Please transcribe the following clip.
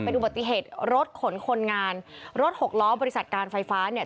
อุบัติเหตุรถขนคนงานรถหกล้อบริษัทการไฟฟ้าเนี่ย